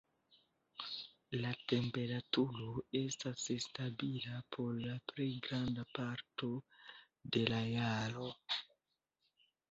La temperaturo estas stabila por la plej granda parto de la jaro.